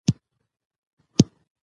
په افغانستان کې کندز سیند شتون لري.